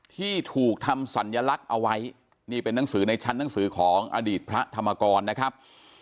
ที่ถูกทำสัญลักษณ์เอาไว้นี่เป็นหนังสือในชั้นหนังสือของอดีตพระธรรมกรนะครับ